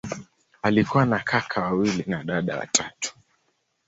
Alikuwa na kaka wawili na dada watatu.